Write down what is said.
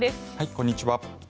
こんにちは。